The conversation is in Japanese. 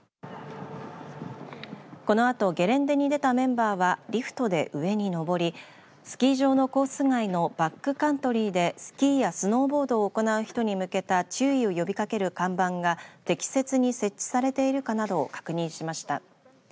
このあとゲレンデに出たメンバーはリフトで上に上りスキー場のコース外のバックカントリーでスキーやスノーボードを行う人に向けた注意を呼びかける看板が適切に設置されているかなどを確認しました。